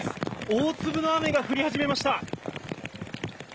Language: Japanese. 大粒の雨が降り始めました。